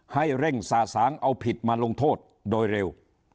ให้เร่งสะสางเอาผิดมาลงโทษโดยเร็ว